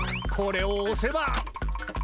これをおせば。